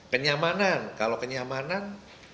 kenyamanan kalau kenyamanan